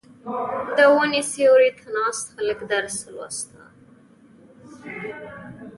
• د ونې سیوري ته ناست هلک درس لوسته.